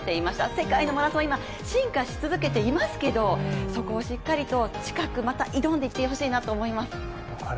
世界のマラソン、今進化し続けていますけれどそこをしっかりとまた挑んでいってほしいなと思います。